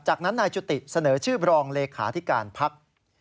จากนั้นนายจุติเสนอชื่อบรองเลขาธิการพัก